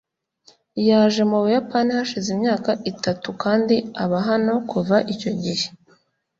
yaje mu Buyapani hashize imyaka itatu kandi aba hano kuva icyo gihe.